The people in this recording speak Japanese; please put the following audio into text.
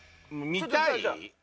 見たい？